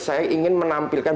saya ingin menampilkan